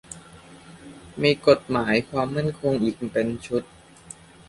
มีกฎหมายความมั่นคงอีกเป็นชุด